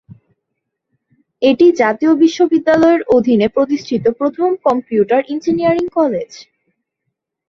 এটি জাতীয় বিশ্ববিদ্যালয়ের অধীনে প্রতিষ্ঠিত প্রথম কম্পিউটার ইঞ্জিনিয়ারিং কলেজ।